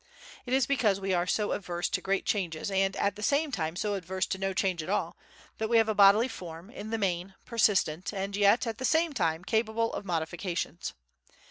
It is because we are so averse to great changes and at the same time so averse to no change at all, that we have a bodily form, in the main, persistent and yet, at the same time, capable of modifications.